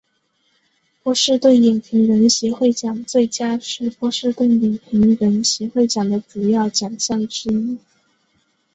波士顿影评人协会奖最佳是波士顿影评人协会奖的主要奖项之一。